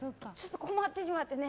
困ってしまって。